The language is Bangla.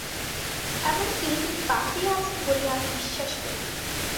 এমন-কি, তিনি বাঁচিয়া আছেন বলিয়া আমি বিশ্বাস করি।